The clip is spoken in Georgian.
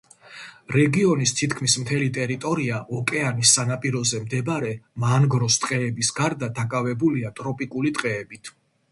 რეგიონის თითქმის მთელი ტერიტორია, ოკეანის სანაპიროზე მდებარე მანგროს ტყეების გარდა, დაკავებულია ტროპიკული ტყეებით.